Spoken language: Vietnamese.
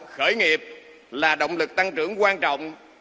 khởi nghiệp là động lực tăng trưởng quan trọng